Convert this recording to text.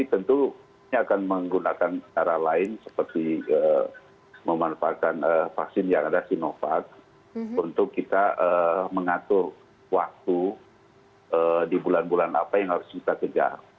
tentu ini akan menggunakan cara lain seperti memanfaatkan vaksin yang ada sinovac untuk kita mengatur waktu di bulan bulan apa yang harus kita kejar